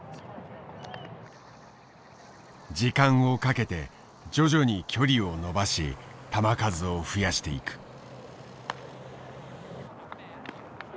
時間をかけて徐々に距離を伸ばし球数を増やしていく。